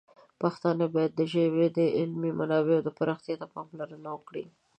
پښتانه باید د ژبې د علمي منابعو پراختیا ته پاملرنه وکړي.